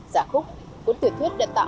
giả khúc cuốn tiểu thuyết đã tạo